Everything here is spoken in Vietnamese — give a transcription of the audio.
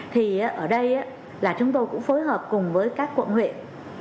thì ở đây là chúng tôi cũng phối hợp cùng với các quận huyện